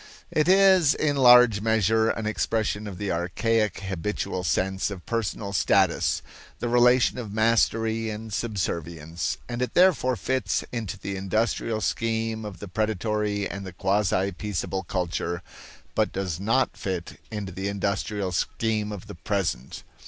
It is in large measure an expression of the archaic habitual sense of personal status the relation of mastery and subservience and it therefore fits into the industrial scheme of the predatory and the quasi peaceable culture, but does not fit into the industrial scheme of the present.